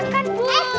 kue kita enak lah